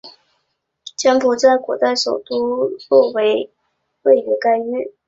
柬埔寨古代首都洛韦位于该城。